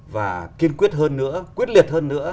và kiên quyết hơn nữa quyết liệt hơn nữa